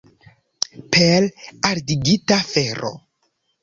Per ardigita fero!